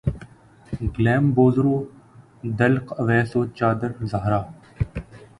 Gleam بو ذر و دلق اویس و چادر زہرا